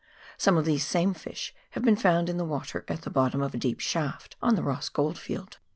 Some of these same fish have been found in the water at the bottom of a deep shaft on the Ross goldfield.